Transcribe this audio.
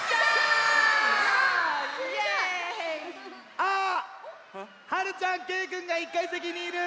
あっはるちゃんけいくんが１かいせきにいる！